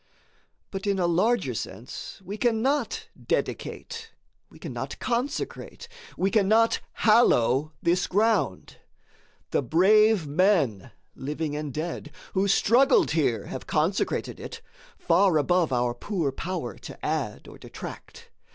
But in a larger sense we cannot dedicate, we cannot consecrate, we cannot hallow this ground. The brave men, living and dead, who struggled here, have consecrated it far above our power to add or detract.